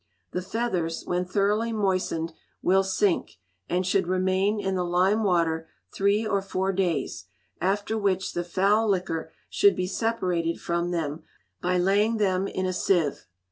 The feathers, when thoroughly moistened, will sink, and should remain in the lime water three or four days; after which the foul liquor should be separated from them, by laying them in a sieve.